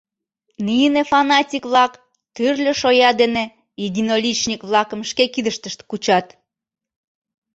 Нине фанатик-влак тӱрлӧ шоя дене единоличник-влакым шке кидыштышт кучат.